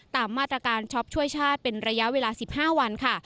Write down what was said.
ตามมาตรการช็อปช่วยชาติเป็นระยะเวลา๑๕วันค่ะ